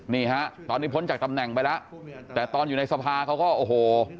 นี่ฮะตอนนี้พ้นจากตำแหน่งไปแล้วแต่ตอนอยู่ในสภาเขาก็โอ้โห